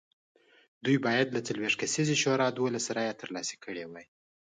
دوی باید له څلوېښت کسیزې شورا دولس رایې ترلاسه کړې وای